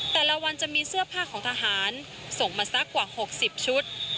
แต่ละวันจะมีเสื้อผ้าของทหารส่งมาสักกว่า๖๐ชุด